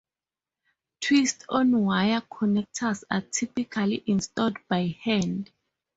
Twist-on wire connectors are typically installed by hand.